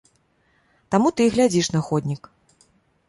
Таму ты і глядзіш на ходнік.